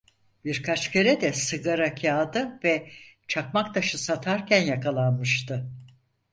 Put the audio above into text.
Birkaç kere de sigara kağıdı ve çakmaktaşı satarken yakalanmıştı.